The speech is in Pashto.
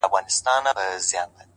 مینه زړونه نږدې کوي؛